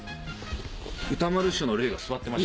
歌丸師匠の霊が座ってました。